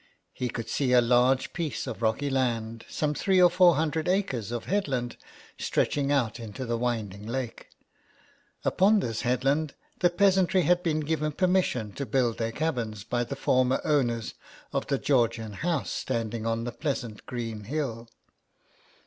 He could see a large piece of rocky land — some three or four hundred acres of headland stretching out into the winding lake. Upon this headland the peasantry had been given permission to build their cabins by 155 HOME SICKNESS. former owners of the Georgian house standing on the pleasant green hill.